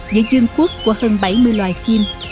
giữa dương quốc của hơn bảy mươi loài chim